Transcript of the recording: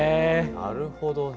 なるほどね。